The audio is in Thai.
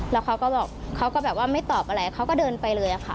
แล้วเขาก็บอกเขาก็แบบว่าไม่ตอบอะไรเขาก็เดินไปเลยค่ะ